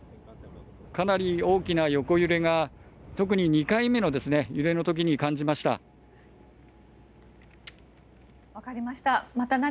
かなり大きな横揺れが特に２回目の揺れの時に感じました。